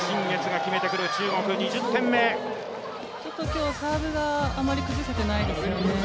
今日、サーブがあまり崩せていないですよね。